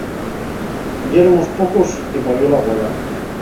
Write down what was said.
Yéremos pocos y parió la güela.